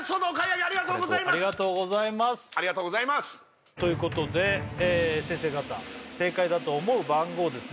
ありがとうございますありがとうございますということで先生方正解だと思う番号ですね